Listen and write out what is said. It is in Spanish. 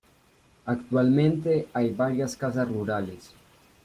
Actualmente hay varias casas rurales.